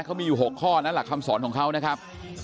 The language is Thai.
เขามีอยู่๖ข้อนั้นหลักคำสอนของเขานะครับ